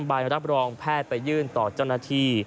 ใบรับรองแพทย์ไปยื่นต่อเจ้าหน้าที่